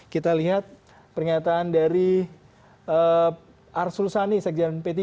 kita lihat pernyataan dari arsul sani sekjen p tiga